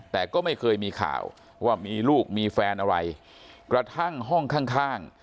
แต่ก็ไม่เคยมีข่าวว่ามีลูกมีแฟนอะไรกระทั่งห้องข้างข้าง